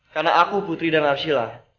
karena aku putri dan arsila